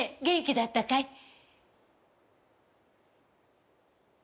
元気だったかい？